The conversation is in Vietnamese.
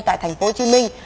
tại thành phố hồ chí minh